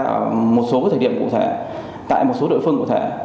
ở một số thời điểm cụ thể tại một số địa phương cụ thể